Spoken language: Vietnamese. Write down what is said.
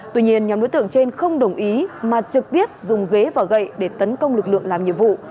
tiếp dùng ghế và gậy để tấn công lực lượng làm nhiệm vụ